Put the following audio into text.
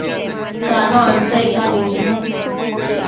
Cano asecca nidnun